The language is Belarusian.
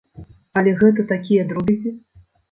Але гэта такія дробязі.